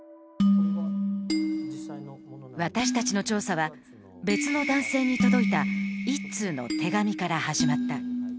私たちの調査は別の男性に届いた一通の手紙から始まった。